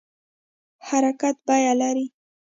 حرکت بیه لري